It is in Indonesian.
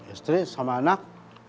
istri sama anak